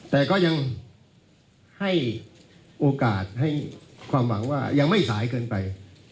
แต่ก็ยังให้โอกาสให้ความหวังว่ายังไม่สายเกินไป